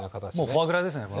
フォアグラですね。